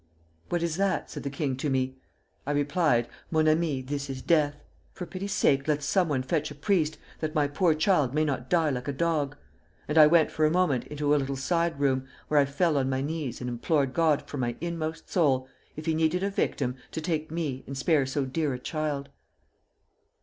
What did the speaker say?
'What is that?' said the king to me. I replied: 'Mon ami, this is death. For pity's sake let some one fetch a priest, that my poor child may not die like a dog!' and I went for a moment into a little side room, where I fell on my knees and implored God from my inmost soul, if He needed a victim, to take me and spare so dear a child....